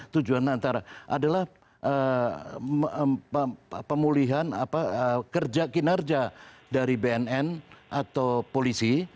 tujuan antara adalah pemulihan kerja kinerja dari bnn atau polisi